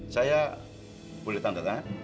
saya pulih tanda tangan